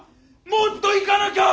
もっといかなきゃ！